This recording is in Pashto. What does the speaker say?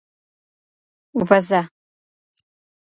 وزه 🐐